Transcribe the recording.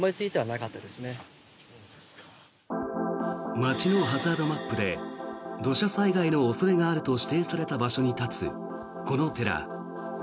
町のハザードマップで土砂災害の恐れがあると指定された場所に立つこの寺。